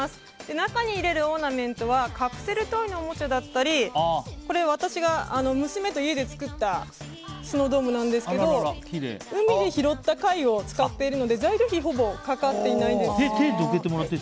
中に入れるオーナメントはカプセルトイのおもちゃだったりこれ、私が娘と家で作ったスノードームですが海で拾った貝を使っているので材料費はほぼかかっていないんですね。